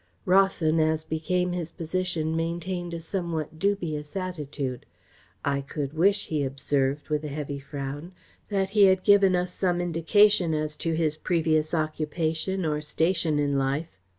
Rawson, as became his position, maintained a somewhat dubious attitude. "I could wish," he observed, with a heavy frown, "that he had given us some indication as to his previous occupation or station in life.